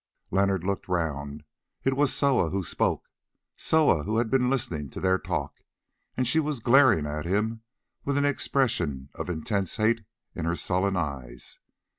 Leonard looked round. It was Soa who spoke, Soa who had been listening to their talk, and she was glaring at him with an expression of intense hate in her sullen eyes.